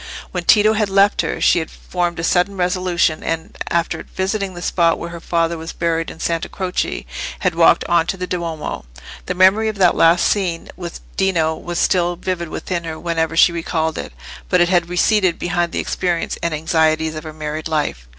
When Tito had left her, she had formed a sudden resolution, and after visiting the spot where her father was buried in Santa Croce, had walked on to the Duomo. The memory of that last scene with Dino was still vivid within her whenever she recalled it, but it had receded behind the experience and anxieties of her married life.